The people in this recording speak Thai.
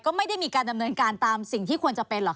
ก็ไม่ได้มีการดำเนินการตามสิ่งที่ควรจะเป็นหรอก